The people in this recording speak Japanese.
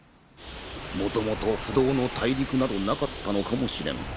もともと不動の大陸などなかったのかもしれん。